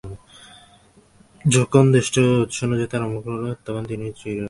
যখন দেশটা উৎসন্ন যেতে আরম্ভ হল, তখন এই সব চিহ্ন উদয় হল।